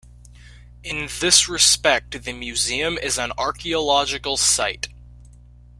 In this respect the museum is an archaeological site.